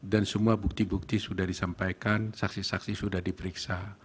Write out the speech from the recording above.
dan semua bukti bukti sudah disampaikan saksi saksi sudah diperiksa